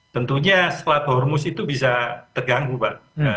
tentunya selat hormus itu bisa terganggu pak